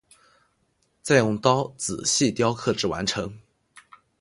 再用刀仔细雕刻至完成。